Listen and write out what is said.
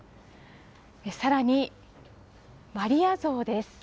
さらに、マリア像です。